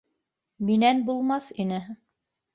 Минән булмаҫ ине